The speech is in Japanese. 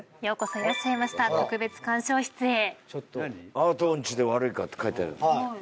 『アート音痴で悪いか？！』って書いてある。